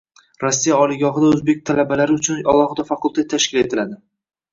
Rossiya oliygohida o‘zbek talabalari uchun alohida fakultet tashkil etiladi